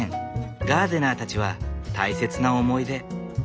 ガーデナーたちは大切な思い出。